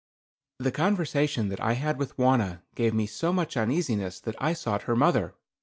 The conversation that I had with Wauna gave me so much uneasiness that I sought her mother.